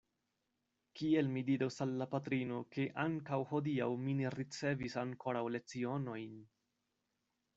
Kiel mi diros al la patrino, ke ankaŭ hodiaŭ mi ne ricevis ankoraŭ lecionojn!